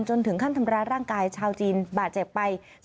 จนถึงขั้นธรรมดาร่างกายชาวจีนบาดแจกไป